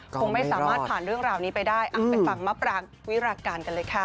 คงไม่สามารถผ่านเรื่องราวนี้ไปได้ไปฟังมะปรางวิราการกันเลยค่ะ